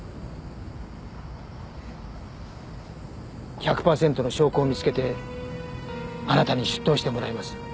１００パーセントの証拠を見つけてあなたに出頭してもらいます。